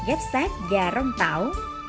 giáp sát và rong tảo